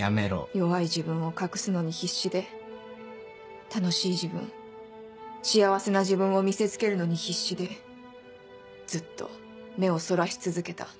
弱い自分を隠すのに必死で楽しい自分幸せな自分を見せつけるのに必死でずっと目をそらし続けた。